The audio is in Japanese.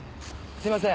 すいません。